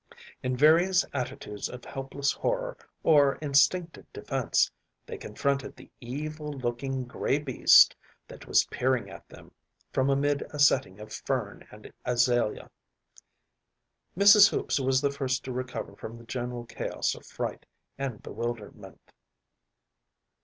In various attitudes of helpless horror or instinctive defence they confronted the evil looking grey beast that was peering at them from amid a setting of fern and azalea. Mrs. Hoops was the first to recover from the general chaos of fright and bewilderment.